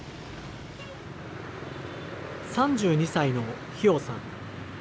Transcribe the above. ３２歳のヒヨウさん。